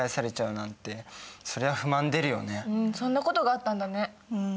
うんそんなことがあったんだね。